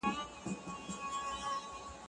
که موضوع سمه ونه ټاکل سي کار به نیمګړی پاته سي.